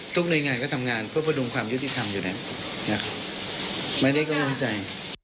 หน่วยงานก็ทำงานเพื่อประดุมความยุติธรรมอยู่แล้วนะครับไม่ได้กังวลใจ